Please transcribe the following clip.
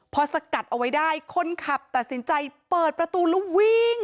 พอสกัดเอาไว้ได้คนขับตัดสินใจเปิดประตูแล้ววิ่ง